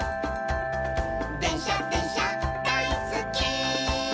「でんしゃでんしゃだいすっき」